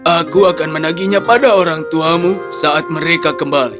aku akan menaginya pada orang tuamu saat mereka kembali